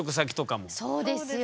そうですよ。